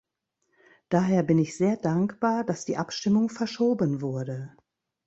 Daher bin ich sehr dankbar, dass die Abstimmung verschoben wurde.